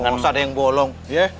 masa ada yang bolong